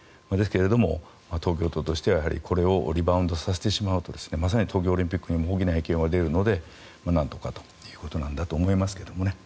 ですけれども、東京都としてはこれをリバウンドさせてしまうとまさに東京オリンピックにも大きな影響がでるので何とかということなんだと思いますけどね。